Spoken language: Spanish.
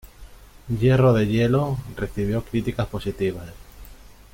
Hierro de hielo recibió críticas positivas.